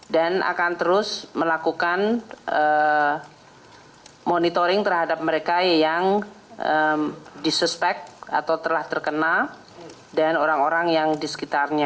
dan akan terus melakukan monitoring terhadap mereka yang disuspek atau telah terkena dan orang orang yang di sekitarnya